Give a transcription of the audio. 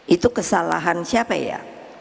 itu kesalahan siapa ya